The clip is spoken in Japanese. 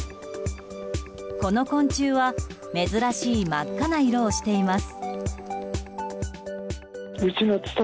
この昆虫は珍しい真っ赤な色をしています。